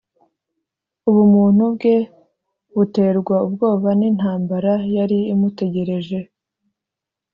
. Ubumuntu bwe buterwa ubwoba n’intambara yari imutegereje